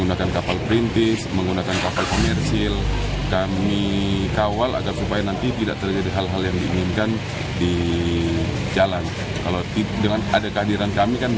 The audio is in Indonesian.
dan tidak terjadi hal hal yang mungkin